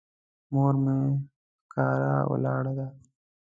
مور مې ښکاره ولاړه ده.